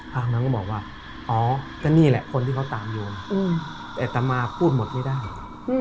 พระอบนั้นก็บอกว่าอ๋อก็นี่แหละคนที่เขาตามโยมอืมแต่ตามมาพูดหมดไม่ได้อืม